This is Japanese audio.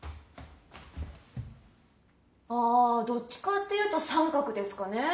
ああどっちかっていうと三角ですかねェ。